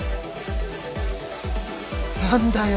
何だよ